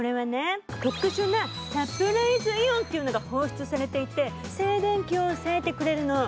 特殊なサプライズイオンというのが放出されていて、静電気を抑えてくれるの。